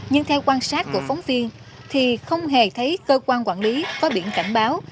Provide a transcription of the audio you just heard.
nhưng theo quan sát của phóng viên thì không hề thấy cơ quan quản lý có biển cảnh báo